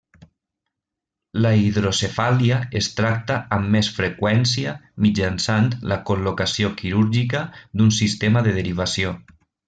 La hidrocefàlia es tracta amb més freqüència mitjançant la col·locació quirúrgica d'un sistema de derivació.